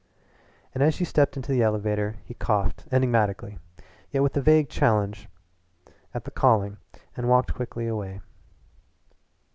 And as she stepped into the elevator he coughed enigmatically, yet with a vague challenge, at the calling, and walked quickly away.